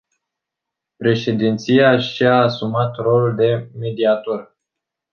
Președinția și-a asumat rolul de mediator.